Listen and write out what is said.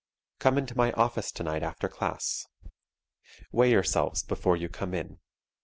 Come in to my office tonight after class. Weigh yourselves before you come in.